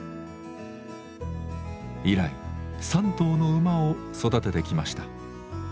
以来３頭の馬を育ててきました。